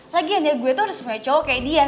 lagian ya gue tuh harus punya cowok kayak dia